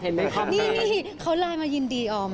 นี่นะเขาไลน์มายินดีออม